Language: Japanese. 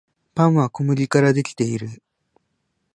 パンは小麦からできている